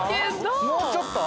もうちょっと？